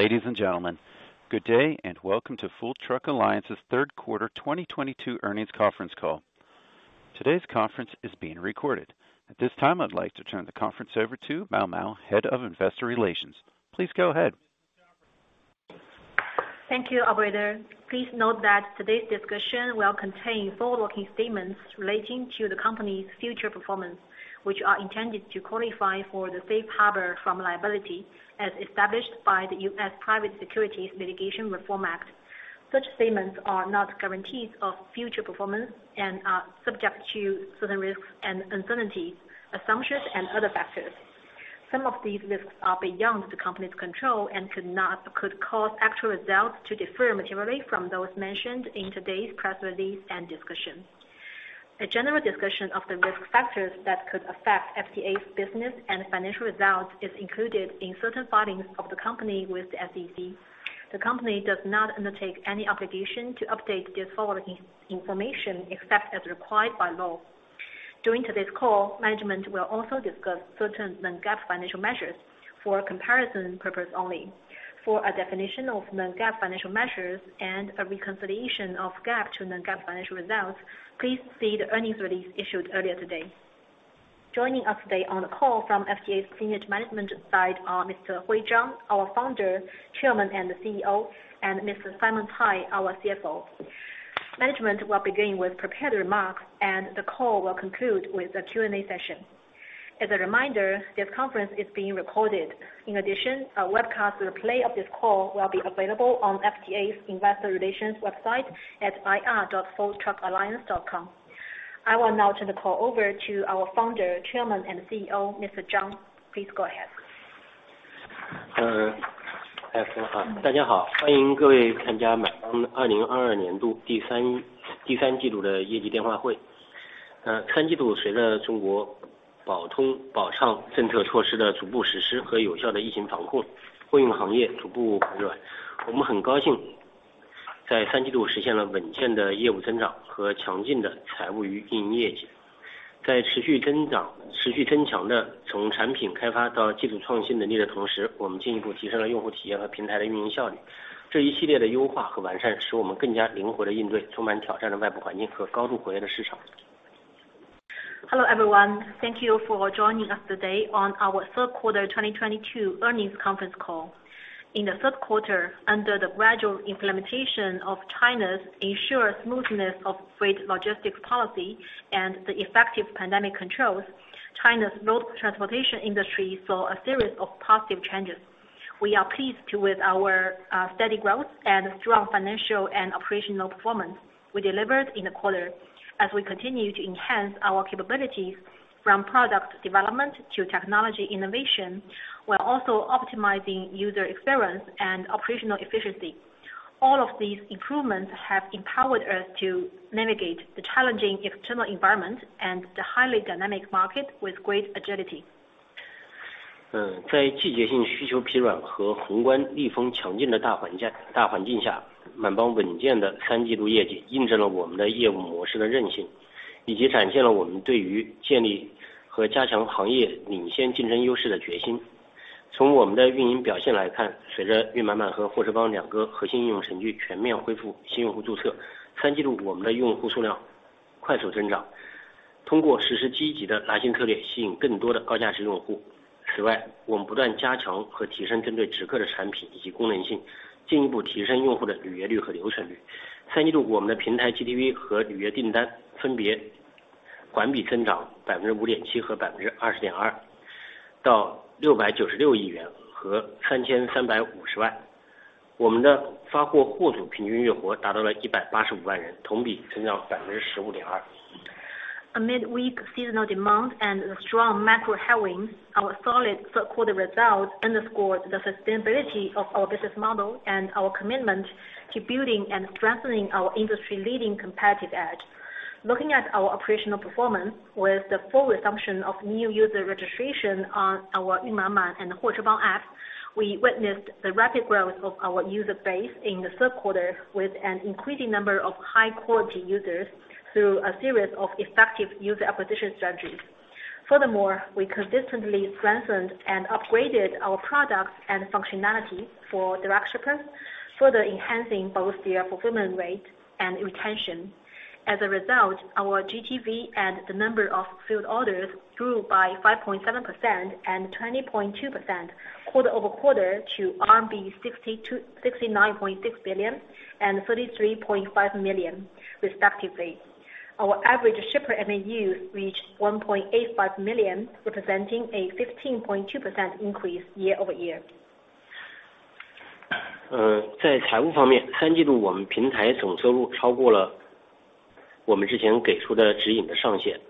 Ladies and gentlemen, good day, and welcome to Full Truck Alliance's third quarter 2022 earnings conference call. Today's conference is being recorded. At this time, I'd like to turn the conference over to Mao Mao, Head of Investor Relations. Please go ahead. Thank you, operator. Please note that today's discussion will contain forward-looking statements relating to the company's future performance, which are intended to qualify for the safe harbor from liability as established by the US Private Securities Litigation Reform Act. Such statements are not guarantees of future performance and are subject to certain risks and uncertainties, assumptions and other factors. Some of these risks are beyond the company's control and could cause actual results to differ materially from those mentioned in today's press release and discussion. A general discussion of the risk factors that could affect FTA's business and financial results is included in certain filings of the company with the SEC. The company does not undertake any obligation to update this forward-looking information except as required by law. During today's call, management will also discuss certain non-GAAP financial measures for comparison purpose only. For a definition of non-GAAP financial measures and a reconciliation of GAAP to non-GAAP financial results, please see the earnings release issued earlier today. Joining us today on the call from FTA's senior management side are Mr. Hui Zhang, our Founder, Chairman and CEO, and Mr. Simon Cai, our CFO. Management will begin with prepared remarks and the call will conclude with a Q&A session. As a reminder, this conference is being recorded. In addition, a webcast replay of this call will be available on FTA's Investor Relations website at ir.fulltruckalliance.com. I will now turn the call over to our founder, chairman and CEO, Mr. Zhang. Please go ahead. Uh, 大家 好， 欢迎各位参加满帮二零二二年度第 三， 第三季度的业绩电话会。呃， 三季度随着中国保通保畅政策措施的逐步实施和有效的疫情防 控， 货运行业逐步回 暖， 我们很高兴在三季度实现了稳健的业务增长和强劲的财务与运营业绩。在持续增 长， 持续增强的从产品开发到技术创新能力的同 时， 我们进一步提升了用户体验和平台的运营效率。这一系列的优化和完善使我们更加灵活地应对充满挑战的外部环境和高度活跃的市场。Hello everyone. Thank you for joining us today on our third quarter 2022 earnings conference call. In the third quarter, under the gradual implementation of China's ensure smoothness of freight logistics policy and the effective pandemic controls, China's road transportation industry saw a series of positive changes. We are pleased with our steady growth and strong financial and operational performance we delivered in the quarter as we continue to enhance our capabilities from product development to technology innovation, while also optimizing user experience and operational efficiency. All of these improvements have empowered us to navigate the challenging external environment and the highly dynamic market with great agility. 呃， 在季节性需求疲软和宏观利空强劲的大环 境， 大环境 下， 满帮稳健的三季度业绩印证了我们的业务模式的韧 性， 以及展现了我们对于建立和加强行业领先竞争优势的决心。从我们的运营表现来 看， 随着运满满和货车帮两个核心应用程序全面恢复新用户注 册， 三季度我们的用户数量快速增长。通过实施积极的拉新策 略， 吸引更多的高价值用户。此 外， 我们不断加强和提升针对直客的产品以及功能性，进一步提升用户的履约率和留存率。三季 度， 我们的平台 GTV 和履约订单分别环比增长百分之五点七和百分之二十点 二， 到六百九十六亿元和三千三百五十万。我们的发货货主平均月活达到了一百八十五万 人， 同比增长百分之十五点二。Amid weak seasonal demand and strong macro headwinds, our solid third quarter results underscored the sustainability of our business model and our commitment to building and strengthening our industry-leading competitive edge. Looking at our operational performance with the full resumption of new user registration on our Yunmanman and Huochebang apps, we witnessed the rapid growth of our user base in the third quarter, with an increasing number of high-quality users through a series of effective user acquisition strategies. Furthermore, we consistently strengthened and upgraded our products and functionality for direct shippers, further enhancing both their fulfillment rate and retention. As a result, our GTV and the number of filled orders grew by 5.7% and 20.2% quarter-over-quarter to RMB 69.6 billion and 33.5 million respectively. Our average shipper MAU reached 1.85 million, representing a 15.2% increase year-over-year. 在财务方 面， Q3 我们平台总收入超过了我们之前给出的指引的上 限，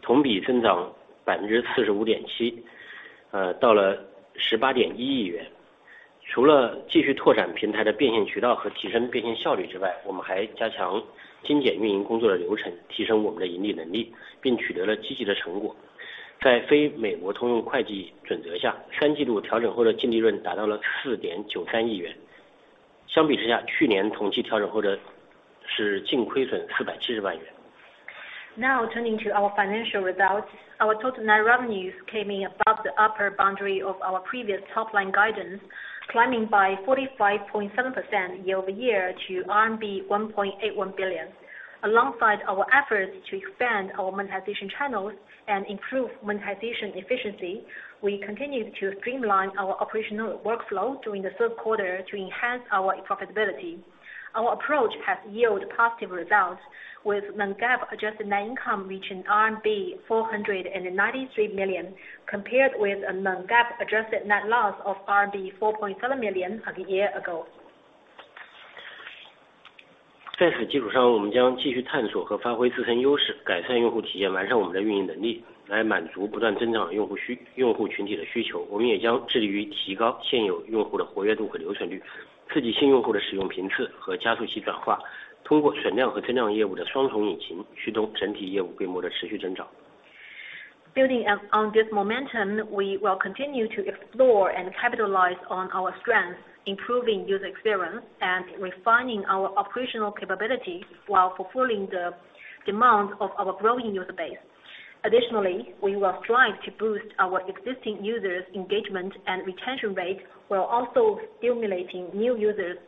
同比增长 45.7%， 到了 RMB 1.81 billion。除了继续拓展平台的变现渠道和提升变现效率之 外， 我们还加强精简运营工作的流 程， 提升我们的盈利能 力， 并取得了积极的成果。在 non-GAAP 下， Q3 调整后的净利润达到了 RMB 493 million， 相比之 下， the same period last year 调整后的是净亏损 RMB 4.7 million。Turning to our financial results. Our total net revenues came in above the upper boundary of our previous top-line guidance, climbing by 45.7% year-over-year to RMB 1.81 billion. Alongside our efforts to expand our monetization channels and improve monetization efficiency, we continued to streamline our operational workflow during the third quarter to enhance our profitability. Our approach has yielded positive results with non-GAAP adjusted net income reaching RMB 493 million, compared with a non-GAAP adjusted net loss of RMB 4.7 million a year ago. 在此基础上我们将继续探索和发挥自身优势改善用户体验完善我们的运营能力来满足不断增长的用户群体的需求。我们也将致力于提高现有用户的活跃度和留存率刺激新用户的使用频次和加速其转化通过存量和增量业务的双重引擎驱动整体业务规模的持续增长。Building on this momentum, we will continue to explore and capitalize on our strengths, improving user experience and refining our operational capabilities while fulfilling the demand of our growing user base. Additionally, we will strive to boost our existing users' engagement and retention rate, while also stimulating new user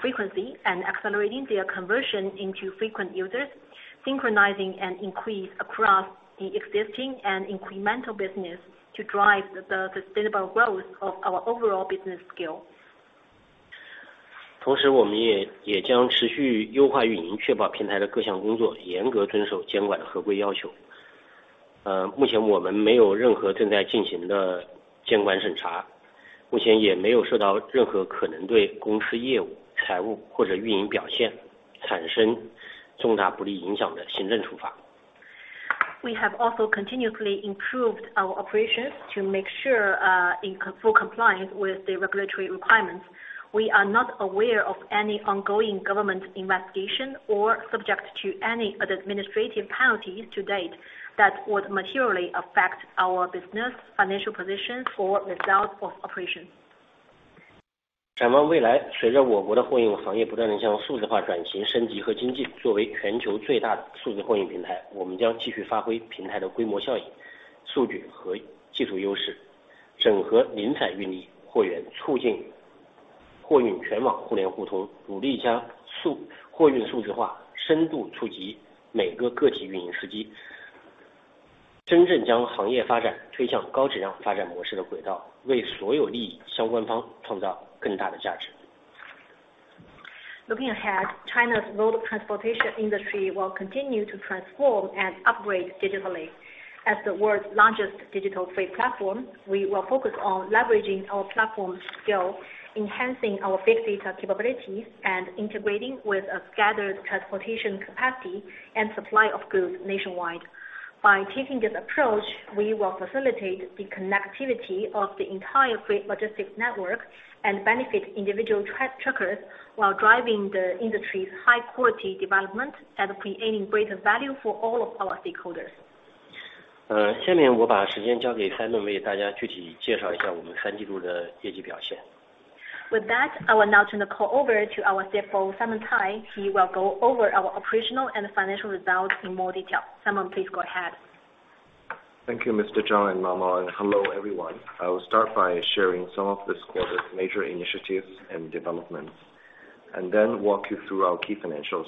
frequency and accelerating their conversion into frequent users, synchronizing an increase across the existing and incremental business to drive the sustainable growth of our overall business scale. 同时我们也将持续优化运营确保平台的各项工作严格遵守监管的合规要求。目前我们没有任何正在进行的监管审查。目前也没有受到任何可能对公司业务财务或者运营表现产生重大不利影响的行政处罚。We have also continually improved our operations to make sure, in full compliance with the regulatory requirements. We are not aware of any ongoing government investigation or subject to any administrative penalties to date that would materially affect our business, financial position or results of operations. 展望未来随着我国的货运行业不断地向数字化转型、升级和经济作为全球最大的数字货运平台我们将继续发挥平台的规模效应、数据和技术优势整合零散运力货源促进货运全网互联互通努力加速货运数字化深度触及每个个体运营司机真正将行业发展推向高质量发展模式的轨道为所有利益相关方创造更大的价值 Looking ahead, China's road transportation industry will continue to transform and upgrade digitally. As the world's largest digital trade platform, we will focus on leveraging our platform scale, enhancing our big data capabilities, and integrating with a scattered transportation capacity and supply of goods nationwide. By taking this approach, we will facilitate the connectivity of the entire freight logistics network and benefit individual truckers while driving the industry's high quality development at creating greater value for all of our stakeholders. 下面我把时间交给 Simon 为大家具体介绍一下我们三季度的业绩表 现. With that, I will now turn the call over to our CFO, Simon Cai, he will go over our operational and financial results in more detail. Simon, please go ahead. Thank you, Mr. Zhang and Mao Mao. Hello, everyone. I will start by sharing some of this quarter's major initiatives and developments, and then walk you through our key financials.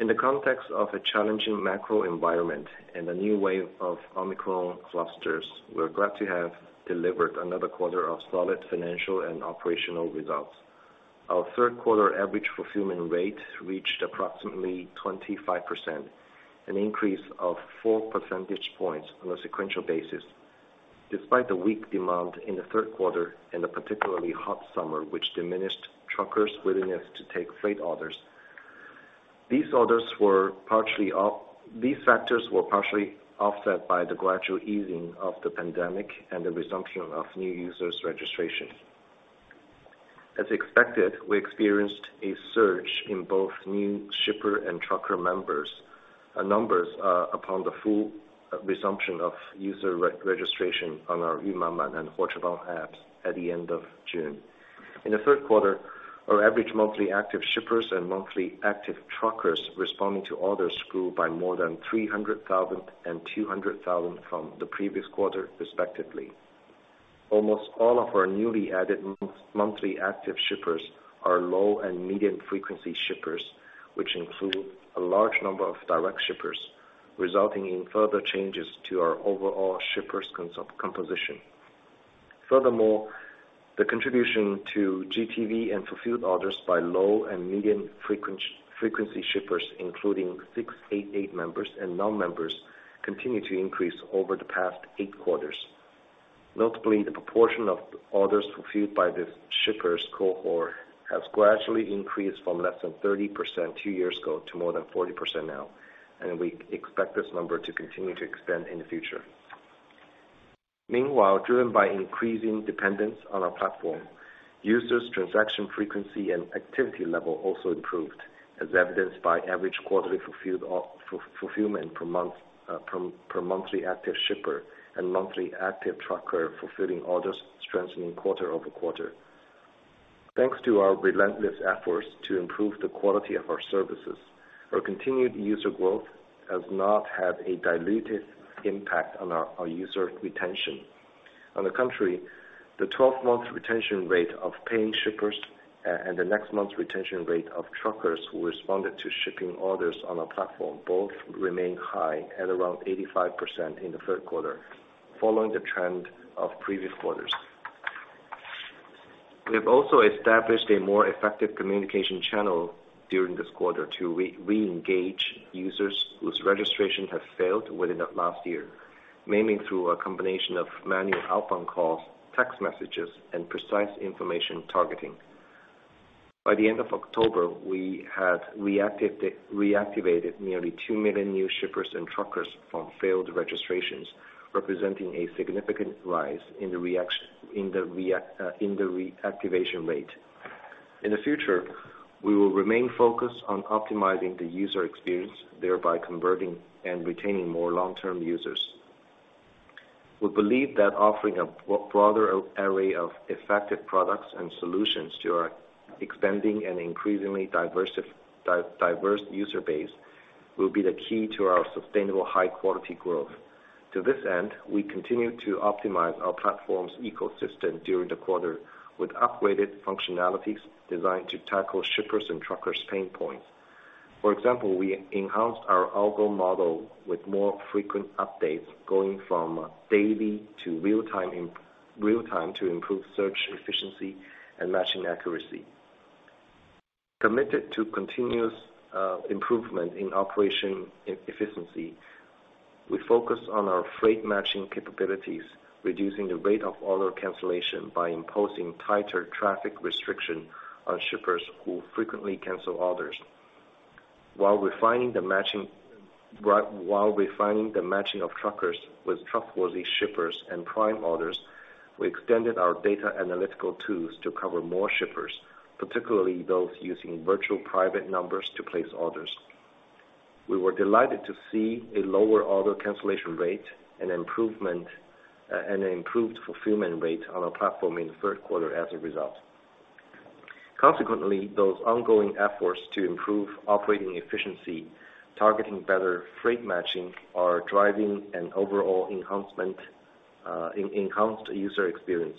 In the context of a challenging macro environment and a new wave of Omicron clusters, we're glad to have delivered another quarter of solid financial and operational results. Our third quarter average fulfillment rate reached approximately 25%, an increase of 4 percentage points on a sequential basis. Despite the weak demand in the third quarter and a particularly hot summer, which diminished truckers' willingness to take freight orders, these factors were partially offset by the gradual easing of the pandemic and the resumption of new users registration. As expected, we experienced a surge in both new shipper and trucker members. Our numbers are upon the full resumption of user re-registration on our Yunmanman and Huochebang apps at the end of June. In the third quarter, our average monthly active shippers and monthly active truckers responding to orders grew by more than 300,000 and 200,000 from the previous quarter respectively. Almost all of our newly added monthly active shippers are low and medium frequency shippers, which include a large number of direct shippers, resulting in further changes to our overall shippers composition. The contribution to GTV and fulfilled orders by low and medium frequency shippers, including 688 members and non-members, continued to increase over the past eight quarters. Notably, the proportion of orders fulfilled by this shippers cohort has gradually increased from less than 30% two years ago to more than 40% now. We expect this number to continue to expand in the future. Meanwhile, driven by increasing dependence on our platform, users' transaction frequency and activity level also improved, as evidenced by average quarterly fulfilled fulfillment per month, per monthly active shipper and monthly active trucker fulfilling orders strengthening quarter-over-quarter. Thanks to our relentless efforts to improve the quality of our services, our continued user growth has not had a dilutive impact on our user retention. On the contrary, the 12-month retention rate of paying shippers and the next month's retention rate of truckers who responded to shipping orders on our platform both remain high at around 85% in the third quarter, following the trend of previous quarters. We have also established a more effective communication channel during this quarter to re-engage users whose registration has failed within the last year, mainly through a combination of manual outbound calls, text messages, and precise information targeting. By the end of October, we had reactivated nearly 2 million new shippers and truckers from failed registrations, representing a significant rise in the reactivation rate. In the future, we will remain focused on optimizing the user experience, thereby converting and retaining more long-term users. We believe that offering a broader array of effective products and solutions to our expanding and increasingly diverse user base will be the key to our sustainable high-quality growth. To this end, we continue to optimize our platform's ecosystem during the quarter with upgraded functionalities designed to tackle shippers and truckers' pain points. For example, we enhanced our algo model with more frequent updates, going from daily to real time to improve search efficiency and matching accuracy. Committed to continuous improvement in operation efficiency, we focus on our freight matching capabilities, reducing the rate of order cancellation by imposing tighter traffic restriction on shippers who frequently cancel orders. While refining the matching of truckers with truckworthy shippers and prime orders, we extended our data analytical tools to cover more shippers, particularly those using virtual private numbers to place orders. We were delighted to see a lower order cancellation rate, an improvement, an improved fulfillment rate on our platform in the third quarter as a result. Consequently, those ongoing efforts to improve operating efficiency, targeting better freight matching, are driving an overall enhanced user experience.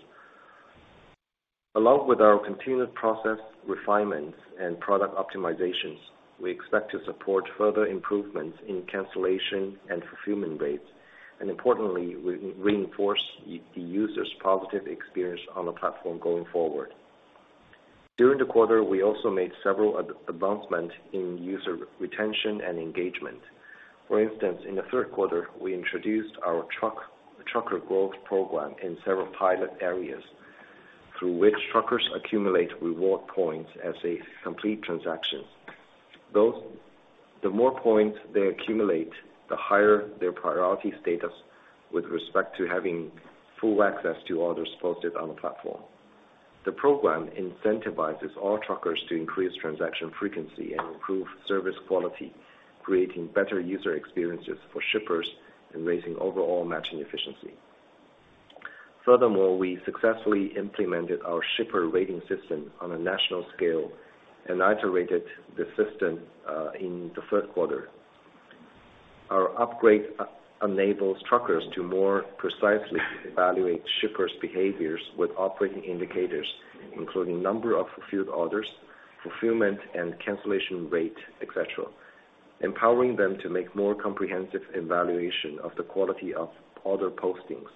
Along with our continuous process refinements and product optimizations, we expect to support further improvements in cancellation and fulfillment rates, and importantly, reinforce the user's positive experience on the platform going forward. During the quarter, we also made several advancements in user retention and engagement. For instance, in the third quarter, we introduced our truck-trucker growth program in several pilot areas, through which truckers accumulate reward points as they complete transactions. The more points they accumulate, the higher their priority status with respect to having full access to orders posted on the platform. The program incentivizes all truckers to increase transaction frequency and improve service quality, creating better user experiences for shippers and raising overall matching efficiency. Furthermore, we successfully implemented our shipper rating system on a national scale and iterated the system in the third quarter. Our upgrade e-enables truckers to more precisely evaluate shippers' behaviors with operating indicators, including number of fulfilled orders, fulfillment and cancellation rate, et cetera, empowering them to make more comprehensive evaluation of the quality of order postings.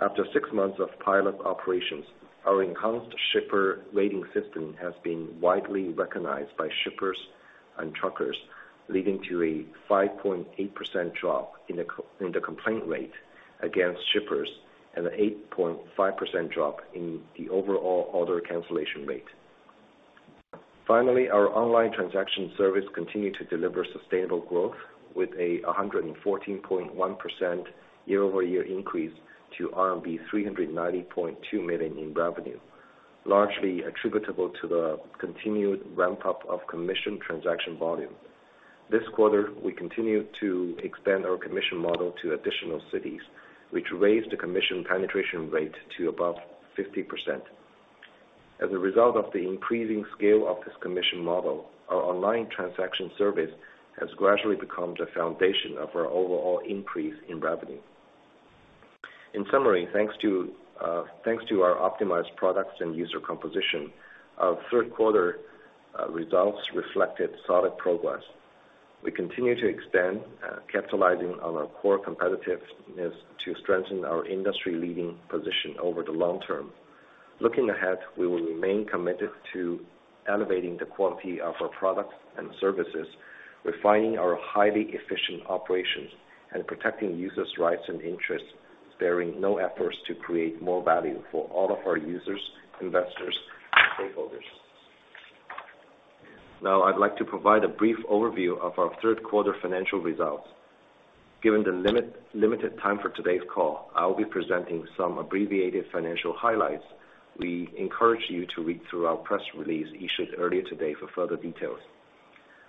After six months of pilot operations, our enhanced shipper rating system has been widely recognized by shippers and truckers, leading to a 5.8% drop in the complaint rate against shippers and an 8.5% drop in the overall order cancellation rate. Finally, our online transaction service continued to deliver sustainable growth with a 114.1% year-over-year increase to RMB 390.2 million in revenue, largely attributable to the continued ramp-up of commission transaction volume. This quarter, we continued to expand our commission model to additional cities, which raised the commission penetration rate to above 50%. As a result of the increasing scale of this commission model, our online transaction service has gradually become the foundation of our overall increase in revenue. In summary, thanks to our optimized products and user composition, our third quarter results reflected solid progress. We continue to expand, capitalizing on our core competitiveness to strengthen our industry-leading position over the long term. Looking ahead, we will remain committed to elevating the quality of our products and services, refining our highly efficient operations, and protecting users' rights and interests, sparing no efforts to create more value for all of our users, investors, and stakeholders. Now I'd like to provide a brief overview of our third quarter financial results. Given the limited time for today's call, I will be presenting some abbreviated financial highlights. We encourage you to read through our press release issued earlier today for further details.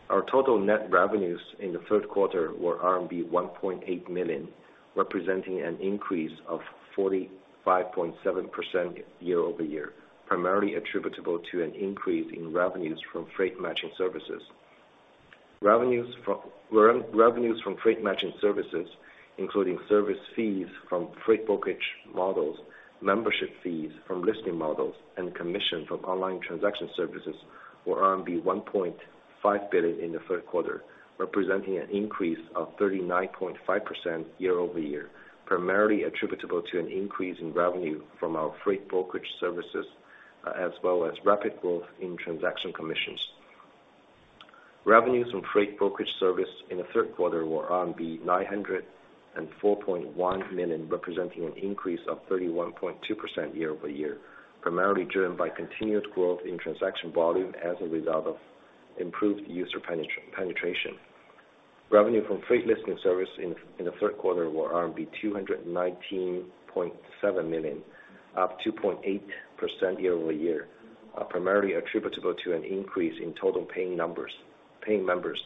Our total net revenues in the third quarter were RMB 1.8 billion, representing an increase of 45.7% year-over-year, primarily attributable to an increase in revenues from freight matching services. Revenues from freight matching services, including service fees from freight brokerage models, membership fees from listing models, and commission from online transaction services were RMB 1.5 billion in the third quarter, representing an increase of 39.5% year-over-year, primarily attributable to an increase in revenue from our freight brokerage services, as well as rapid growth in transaction commissions. Revenues from freight brokerage service in the third quarter were 904.1 million, representing an increase of 31.2% year-over-year, primarily driven by continued growth in transaction volume as a result of improved user penetration. Revenue from freight listing service in the third quarter were RMB 219.7 million, up 2.8% year-over-year, primarily attributable to an increase in total paying numbers, paying members.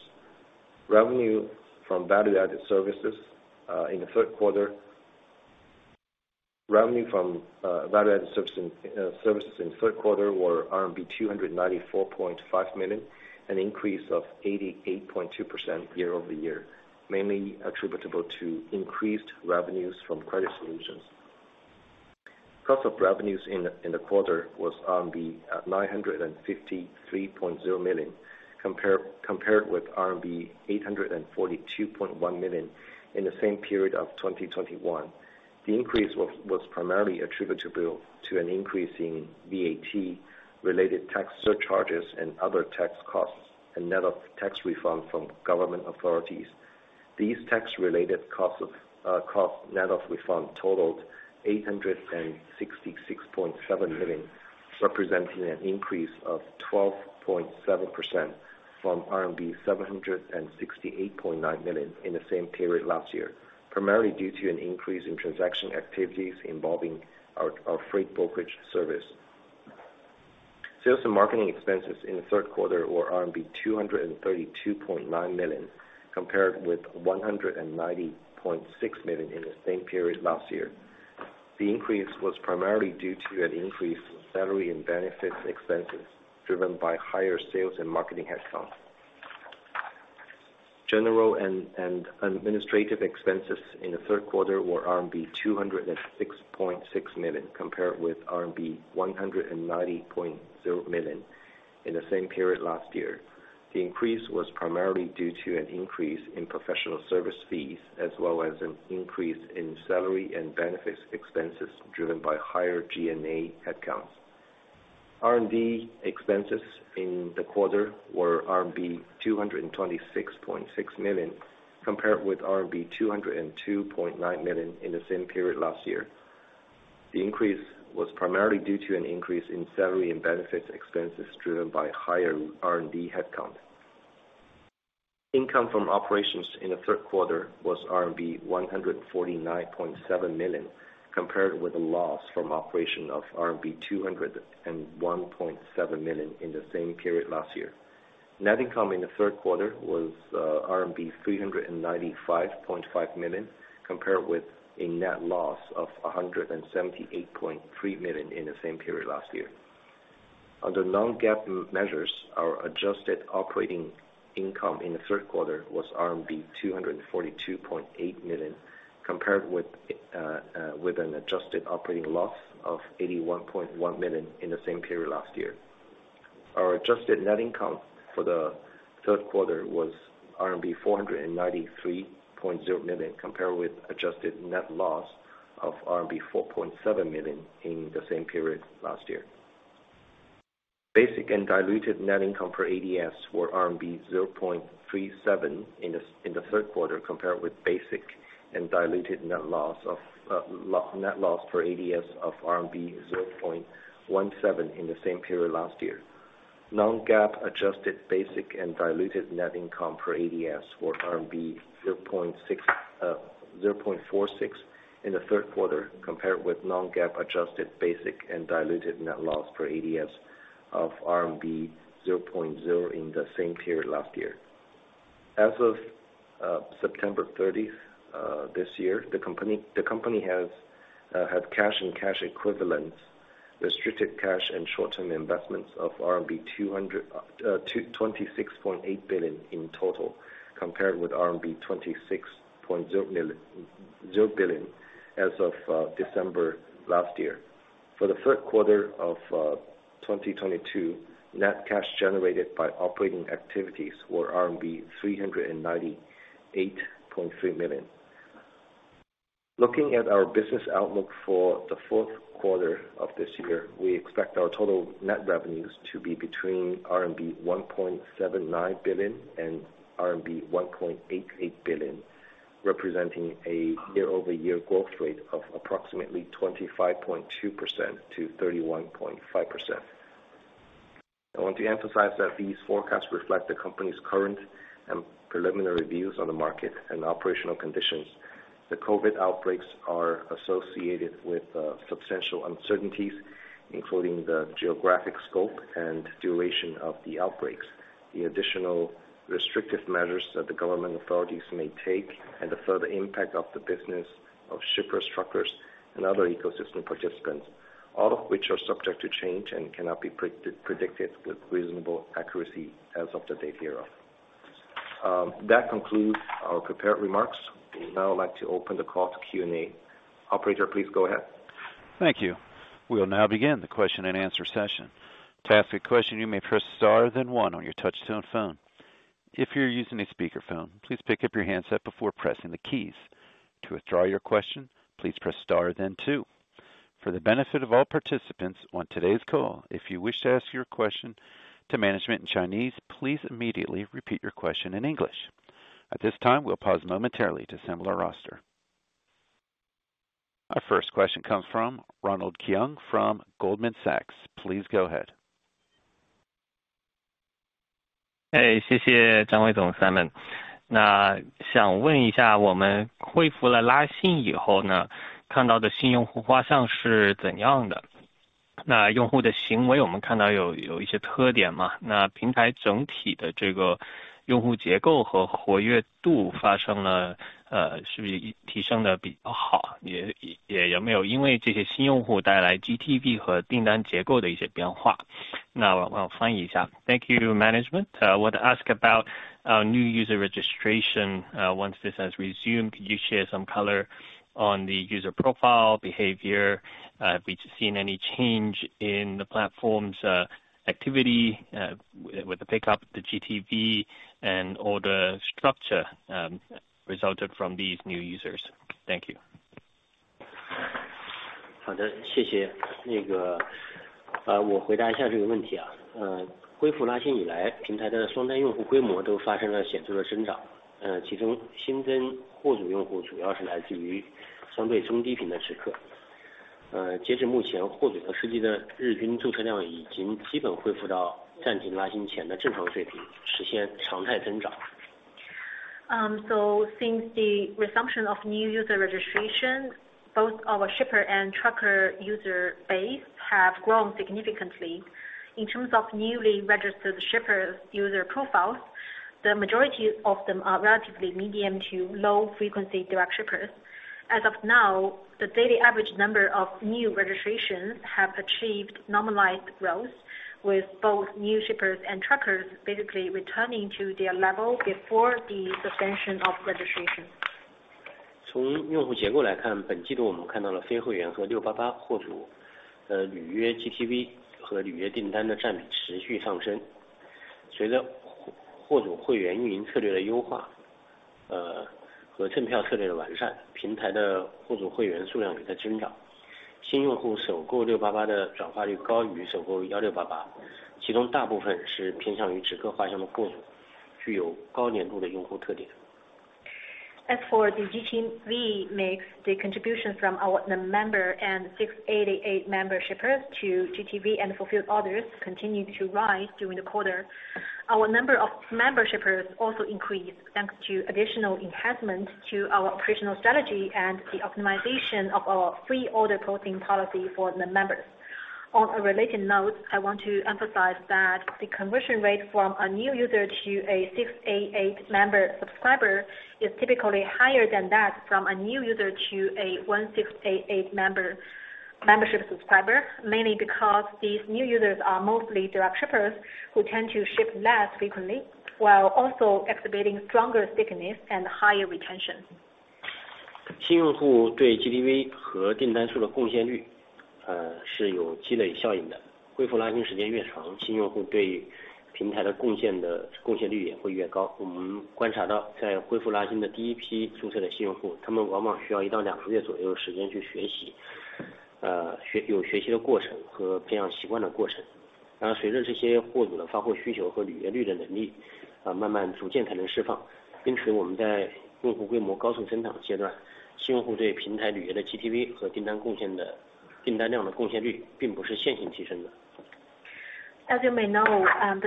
Revenue from value-added services in the third quarter were RMB 294.5 million, an increase of 88.2% year-over-year, mainly attributable to increased revenues from credit solutions. Cost of revenues in the quarter was 953.0 million RMB compared with RMB 842.1 million in the same period of 2021. The increase was primarily attributable to an increase in VAT-related tax surcharges and other tax costs and net of tax refund from government authorities. These tax-related costs of cost net of refund totaled 866.7 million, representing an increase of 12.7% from RMB 768.9 million in the same period last year, primarily due to an increase in transaction activities involving our freight brokerage service. Sales and marketing expenses in the third quarter were RMB 232.9 million compared with 190.6 million in the same period last year. The increase was primarily due to an increase in salary and benefits expenses driven by higher sales and marketing headcount. General and administrative expenses in the third quarter were RMB 206.6 million compared with RMB 190.0 million in the same period last year. The increase was primarily due to an increase in professional service fees as well as an increase in salary and benefits expenses driven by higher G&A headcount. R&D expenses in the quarter were RMB 226.6 million compared with RMB 202.9 million in the same period last year. The increase was primarily due to an increase in salary and benefits expenses driven by higher R&D headcount. Income from operations in the third quarter was RMB 149.7 million compared with a loss from operation of RMB 201.7 million in the same period last year. Net income in the third quarter was RMB 395.5 million compared with a net loss of 178.3 million in the same period last year. Under non-GAAP measures, our adjusted operating income in the third quarter was RMB 242.8 million compared with an adjusted operating loss of 81.1 million in the same period last year. Our adjusted net income for the third quarter was RMB 493.0 million compared with adjusted net loss of RMB 4.7 million in the same period last year. Basic and diluted net income per ADS were RMB 0.37 in the third quarter compared with basic and diluted net loss per ADS of RMB 0.17 in the same period last year. Non-GAAP adjusted basic and diluted net income per ADS were RMB 0.46 in the third quarter compared with non-GAAP adjusted basic and diluted net loss per ADS of RMB 0.0 in the same period last year. As of September 30th this year, the company had cash and cash equivalents, restricted cash and short-term investments of RMB 26.8 billion in total compared with RMB 26.0 billion as of December last year. For the third quarter of 2022, net cash generated by operating activities were RMB 398.3 million. Looking at our business outlook for the fourth quarter of this year, we expect our total net revenues to be between RMB 1.79 billion and RMB 1.88 billion, representing a year-over-year growth rate of approximately 25.2%-31.5%. I want to emphasize that these forecasts reflect the company's current and preliminary views on the market and operational conditions. The COVID outbreaks are associated with substantial uncertainties, including the geographic scope and duration of the outbreaks, the additional restrictive measures that the government authorities may take, and the further impact of the business of shippers, truckers, and other ecosystem participants, all of which are subject to change and cannot be predicted with reasonable accuracy as of the date hereof. That concludes our prepared remarks. We would now like to open the call to Q&A. Operator, please go ahead. Thank you. We'll now begin the question-and-answer session. To ask a question, you may press star then one on your touchtone phone. If you're using a speakerphone, please pick up your handset before pressing the keys. To withdraw your question, please press star then two. For the benefit of all participants on today's call, if you wish to ask your question to management in Chinese, please immediately repeat your question in English. At this time, we'll pause momentarily to assemble our roster. Our first question comes from Ronald Keung from Goldman Sachs. Please go ahead. Hey. Thank you, management. Want to ask about new user registration. Once this has resumed, could you share some color on the user profile behavior? Have we seen any change in the platform's activity with the pickup, the GTV, and order structure, resulted from these new users? Thank you. Since the resumption of new user registration, both our shipper and trucker user base have grown significantly. In terms of newly registered shipper user profiles, the majority of them are relatively medium to low-frequency direct shippers. As of now, the daily average number of new registrations have achieved normalized growth, with both new shippers and truckers basically returning to their level before the suspension of registration. As for the GTV makes, the contribution from our 1688 member and 688 member shippers to GTV and fulfilled orders continued to rise during the quarter. Our number of member shippers also increased thanks to additional enhancements to our operational strategy and the optimization of our free order processing policy for the members. On a related note, I want to emphasize that the conversion rate from a new user to a 688 member subscriber is typically higher than that from a new user to a 1688 member membership subscriber, mainly because these new users are mostly direct shippers who tend to ship less frequently while also exhibiting stronger stickiness and higher retention. The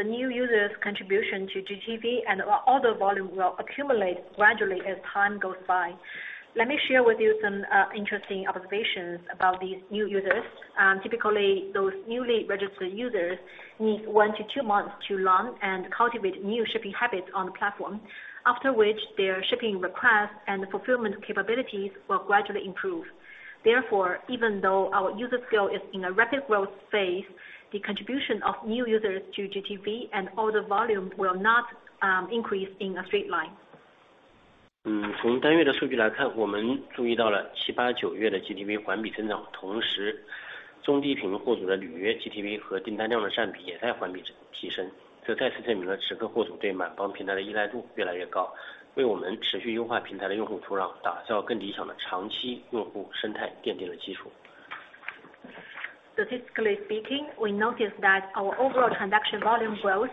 new users contribution to GTV and order volume will accumulate gradually as time goes by. Let me share with you some interesting observations about these new users. Typically, those newly registered users need 1 to 2 months to learn and cultivate new shipping habits on the platform, after which their shipping requests and fulfillment capabilities will gradually improve. Therefore, even though our user scale is in a rapid growth phase, the contribution of new users to GTV and order volume will not increase in a straight line. Statistically speaking, we noticed that our overall transaction volume growth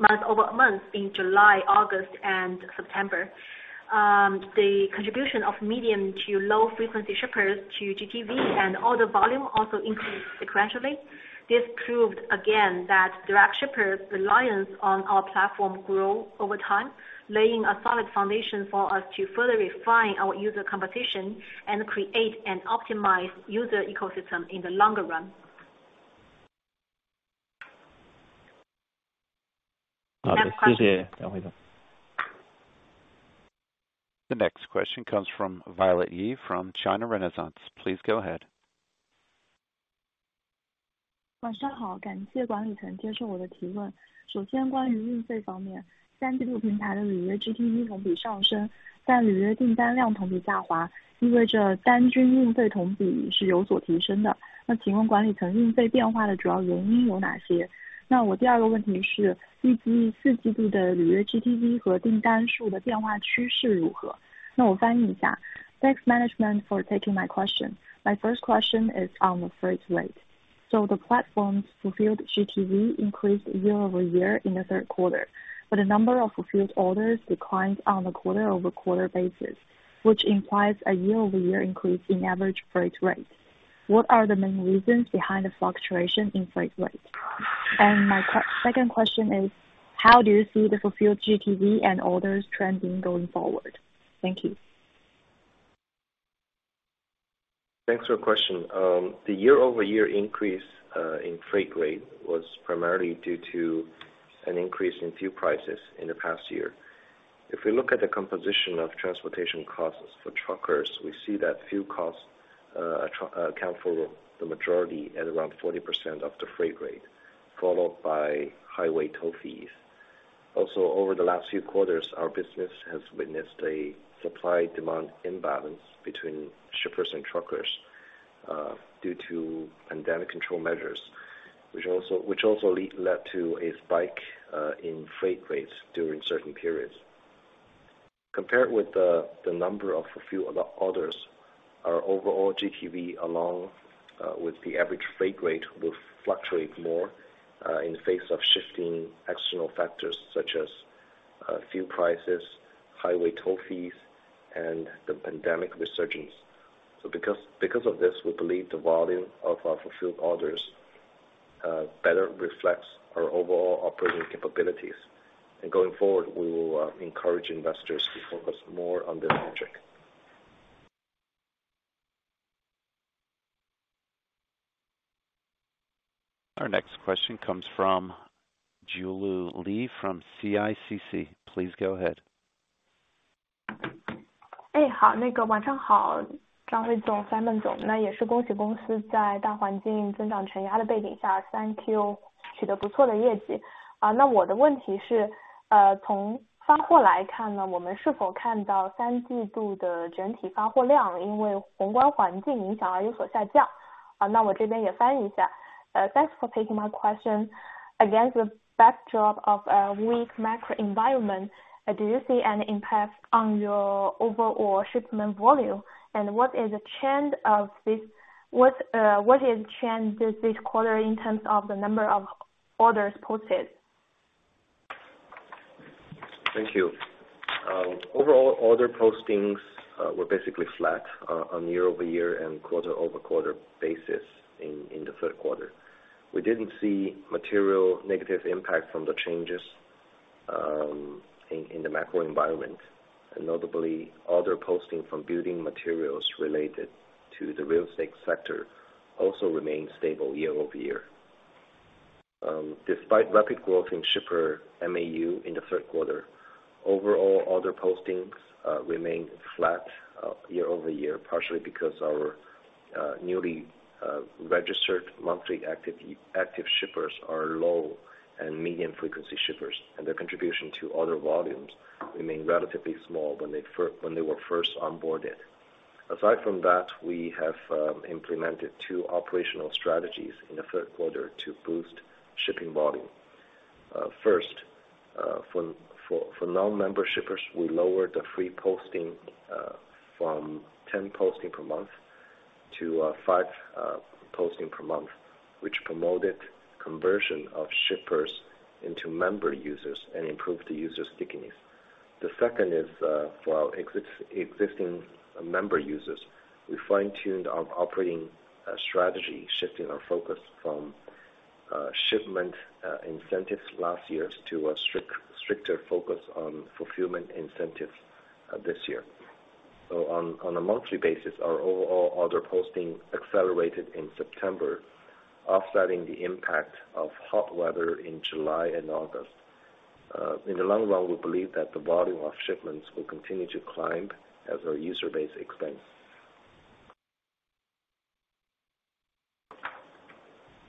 month-over-month in July, August, and September. The contribution of medium to low frequency shippers to GTV and order volume also increased sequentially. This proved again that direct shippers' reliance on our platform grow over time, laying a solid foundation for us to further refine our user competition and create an optimized user ecosystem in the longer run. The next question comes from Violet Yi from China Renaissance. Please go ahead. Thanks management for taking my question. My first question is on the freight rate. The platform's fulfilled GTV increased year-over-year in the third quarter, but the number of fulfilled orders declined on a quarter-over-quarter basis, which implies a year-over-year increase in average freight rate. What are the main reasons behind the fluctuation in freight rate? My second question is how do you see the fulfilled GTV and orders trending going forward? Thank you. Thanks for your question. The year-over-year increase in freight rate was primarily due to an increase in fuel prices in the past year. If we look at the composition of transportation costs for truckers, we see that fuel costs account for the majority at around 40% of the freight rate, followed by highway toll fees. Over the last few quarters, our business has witnessed a supply-demand imbalance between shippers and truckers due to pandemic control measures, which also led to a spike in freight rates during certain periods. Compared with the number of fulfilled orders, our overall GTV along with the average freight rate will fluctuate more in the face of shifting external factors such as fuel prices, highway toll fees, and the pandemic resurgence. Because of this, we believe the volume of our fulfilled orders better reflects our overall operating capabilities. Going forward, we will encourage investors to focus more on this metric. Our next question comes from Jiulu Li from CICC. Please go ahead. Thank you. Overall order postings were basically flat on year-over-year and quarter-over-quarter basis in the third quarter. We didn't see material negative impact from the changes in the macro environment. Notably, order posting from building materials related to the real estate sector also remained stable year-over-year. Despite rapid growth in shipper MAU in the third quarter, overall order postings remained flat year-over-year, partially because our newly registered monthly active shippers are low and medium frequency shippers, and their contribution to order volumes remain relatively small when they were first onboarded. Aside from that, we have implemented two operational strategies in the third quarter to boost shipping volume. First, for non-member shippers, we lowered the free posting from 10 posting per month to 5 posting per month, which promoted conversion of shippers into member users and improved the user stickiness. The second is, for our existing member users. We fine-tuned our operating strategy, shifting our focus from shipment incentives last year to a stricter focus on fulfillment incentives this year. On a monthly basis, our overall order posting accelerated in September, offsetting the impact of hot weather in July and August. In the long run, we believe that the volume of shipments will continue to climb as our user base expands.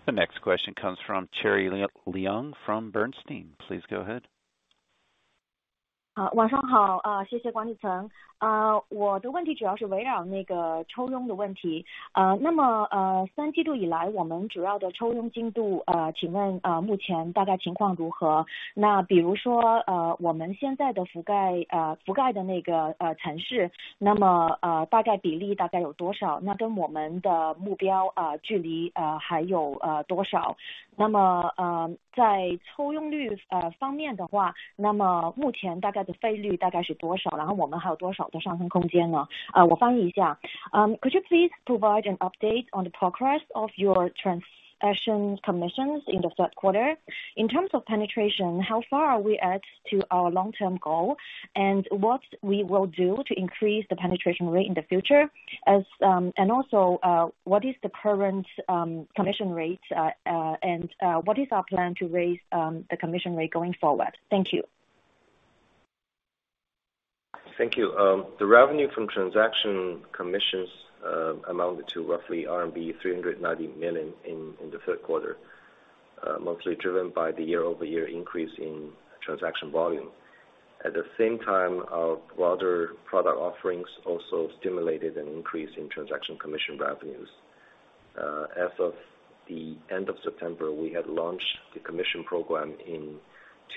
The next question comes from Cherry Leung from Bernstein. Please go ahead. Could you please provide an update on the progress of your transaction commissions in the third quarter? In terms of penetration, how far are we at to our long-term goal, and what we will do to increase the penetration rate in the future? Also, what is the current commission rate, and what is our plan to raise the commission rate going forward? Thank you. Thank you. The revenue from transaction commissions amounted to roughly RMB 390 million in the third quarter, mostly driven by the year-over-year increase in transaction volume. At the same time, our broader product offerings also stimulated an increase in transaction commission revenues. As of the end of September, we had launched the commission program in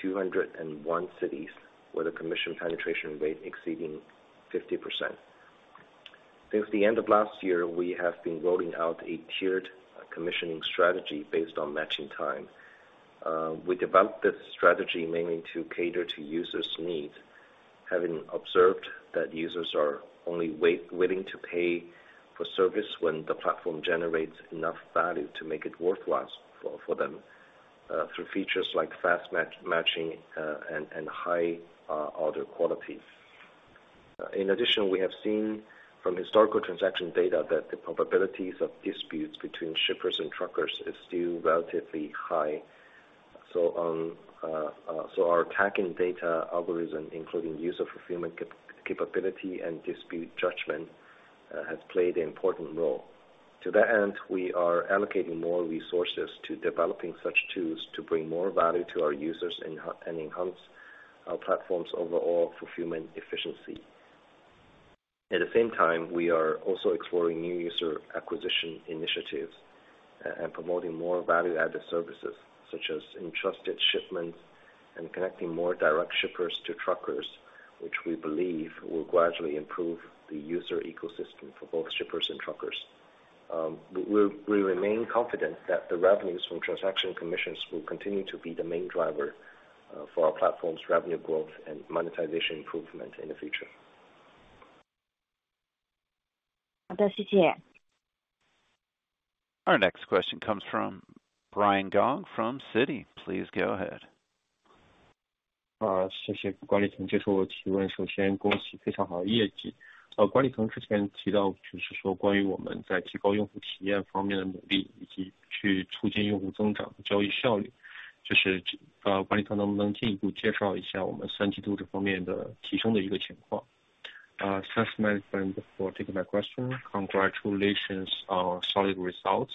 201 cities, with a commission penetration rate exceeding 50%. Since the end of last year, we have been rolling out a tiered commissioning strategy based on matching time. We developed this strategy mainly to cater to users' needs, having observed that users are only willing to pay for service when the platform generates enough value to make it worthwhile for them, through features like fast matching, and high order quality. In addition, we have seen from historical transaction data that the probabilities of disputes between shippers and truckers is still relatively high. Our tracking data algorithm, including user fulfillment capability and dispute judgment, has played an important role. To that end, we are allocating more resources to developing such tools to bring more value to our users and enhance our platform's overall fulfillment efficiency. At the same time, we are also exploring new user acquisition initiatives and promoting more value-added services such as entrusted shipments and connecting more direct shippers to truckers, which we believe will gradually improve the user ecosystem for both shippers and truckers. We remain confident that the revenues from transaction commissions will continue to be the main driver for our platform's revenue growth and monetization improvement in the future. Our next question comes from Brian Gong from Citi. Please go ahead. Thanks management for taking my question. Congratulations on solid results.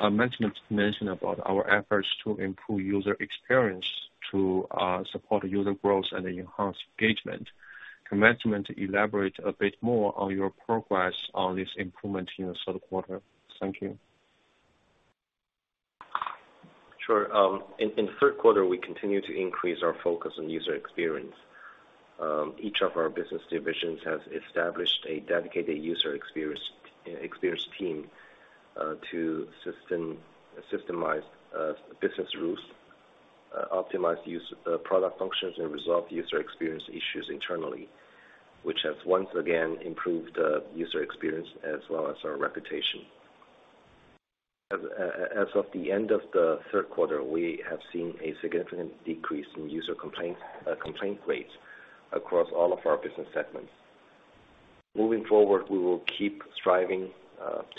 Management mentioned about our efforts to improve user experience to support user growth and enhance engagement. Can management elaborate a bit more on your progress on this improvement in the third quarter? Thank you. Sure. In the third quarter, we continued to increase our focus on user experience. Each of our business divisions has established a dedicated user experience team to systemize business rules, optimize user product functions, and resolve user experience issues internally, which has once again improved the user experience as well as our reputation. As of the end of the third quarter, we have seen a significant decrease in user complaint rates across all of our business segments. Moving forward, we will keep striving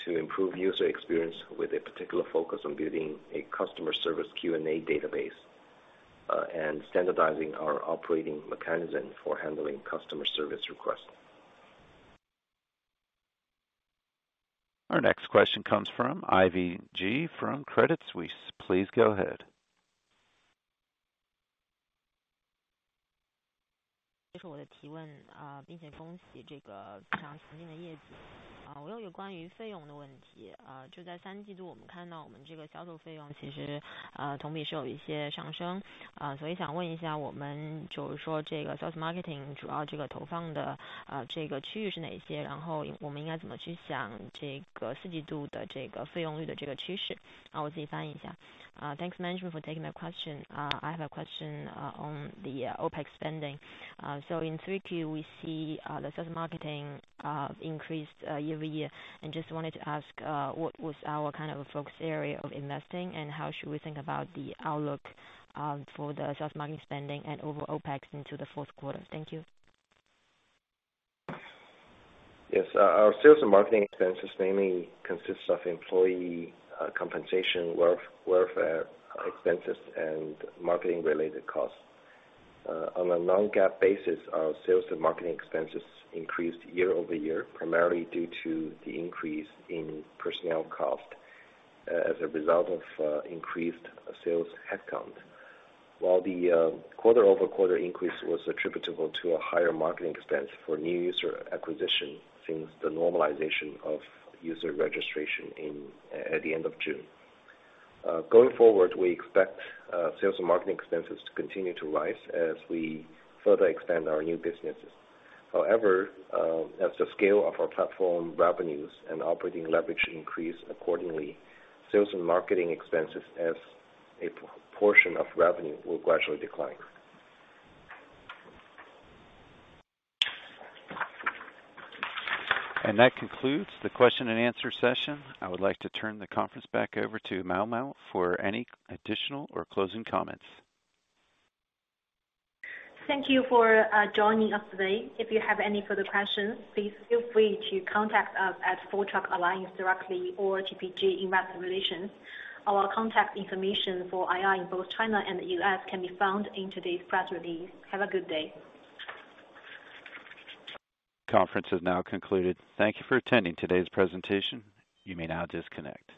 to improve user experience with a particular focus on building a customer service Q&A database and standardizing our operating mechanism for handling customer service requests. Our next question comes from Ivy Ji from Credit Suisse. Please go ahead. Thanks management for taking my question. I have a question on the OPEX spending. In 3Q, we see the sales marketing increased year-over-year. Just wanted to ask what was our kind of a focus area of investing and how should we think about the outlook for the sales marketing spending and overall OPEX into the fourth quarter? Thank you. Yes. Our sales and marketing expenses mainly consists of employee, compensation, welfare expenses and marketing related costs. On a non-GAAP basis, our sales and marketing expenses increased year-over-year, primarily due to the increase in personnel cost, as a result of increased sales headcount. While the quarter-over-quarter increase was attributable to a higher marketing expense for new user acquisition since the normalization of user registration at the end of June. Going forward, we expect sales and marketing expenses to continue to rise as we further extend our new businesses. However, as the scale of our platform revenues and operating leverage increase accordingly, sales and marketing expenses as a portion of revenue will gradually decline. That concludes the question and answer session. I would like to turn the conference back over to Mao Mao for any additional or closing comments. Thank you for joining us today. If you have any further questions, please feel free to contact us at Full Truck Alliance oor TPG Investor Relations. Our contact information for IR in both China and the U.S. can be found in today's press release. Have a good day. Conference is now concluded. Thank you for attending today's presentation. You may now disconnect.